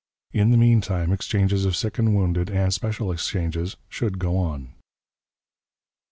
In the mean time exchanges of sick and wounded, and special exchanges, should go on.